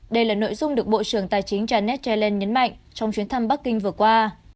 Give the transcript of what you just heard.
đây là nội dung được bộ trưởng tài chính janet zelen nhấn mạnh trong chuyến thăm bắc kinh vừa qua